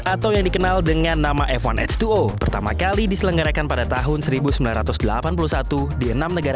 atau yang dikenal dengan nama f satu h dua o pertama kali diselenggarakan pada tahun seribu sembilan ratus delapan puluh satu di enam negara